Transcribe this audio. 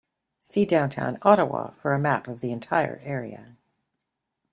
See Downtown Ottawa for a map of the entire area.